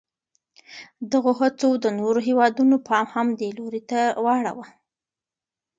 دغو هڅو د نورو هېوادونو پام هم دې لوري ته واړاوه.